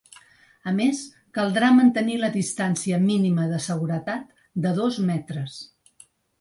A més, caldrà mantenir la distància mínima de seguretat de dos metres.